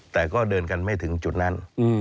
แต่ก็เดินกันไม่ถึงจุดนั้น